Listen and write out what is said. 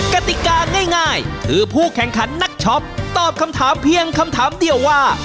กติกาง่ายคือผู้แข่งขันนักช็อปตอบคำถามเพียงคำถามเดียวว่า